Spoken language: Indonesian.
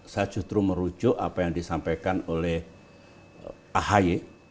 saya justru merujuk apa yang disampaikan oleh ahy